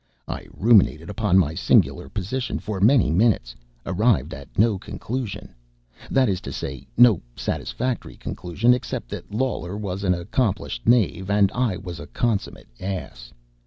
I ruminated upon my singular position for many minutes, arrived at no conclusion that is to say, no satisfactory conclusion, except that Lawler was an accomplished knave and I was a consummate ass.